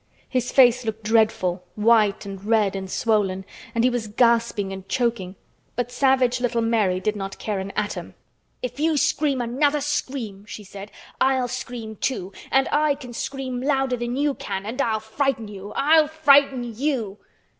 His face looked dreadful, white and red and swollen, and he was gasping and choking; but savage little Mary did not care an atom. "If you scream another scream," she said, "I'll scream too—and I can scream louder than you can and I'll frighten you, I'll frighten you!"